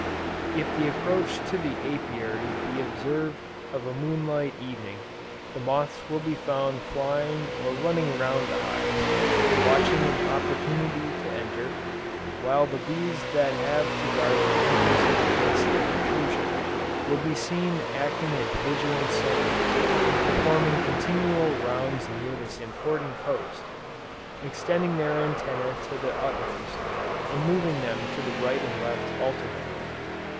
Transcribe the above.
"If the approach to the Apiary be observed of a moonlight evening, the moths will be found flying or running round the hives, watching an opportunity to enter, whilst the bees that have to guard the entrances against their intrusion, will be seen acting as vigilant sentinels, performing continual rounds near this important post, extending their antennæ to the utmost, and moving them to the right and left alternately.